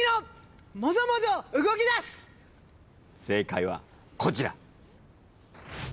正解はこちら。